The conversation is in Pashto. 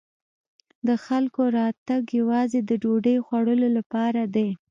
د خلکو راتګ یوازې د ډوډۍ خوړلو لپاره دی.